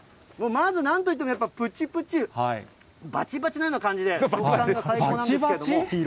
まずなんといっても、やっぱりぷちぷち、ばちばちのような感じで、最高なんですけれども。